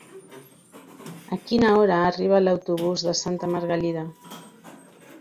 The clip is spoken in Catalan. A quina hora arriba l'autobús de Santa Margalida?